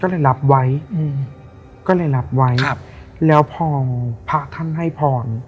ก็เลยรับไว้อืมก็เลยรับไว้ครับแล้วพอพระท่านให้พร